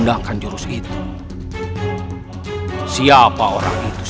jangan salahkan aku